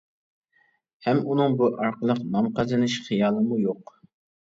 ھەم ئۇنىڭ بۇ ئارقىلىق نام قازىنىش خىيالىمۇ يوق.